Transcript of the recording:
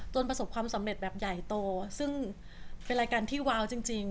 ประสบความสำเร็จแบบใหญ่โตซึ่งเป็นรายการที่ว้าวจริง